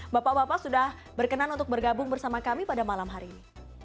bapak bapak sudah berkenan untuk bergabung bersama kami pada malam hari ini